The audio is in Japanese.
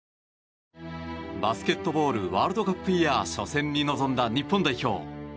バスケットボールワールドカップイヤー初戦に臨んだ日本代表。